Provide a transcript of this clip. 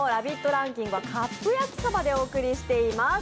ランキングはカップ焼きそばでお送りしています。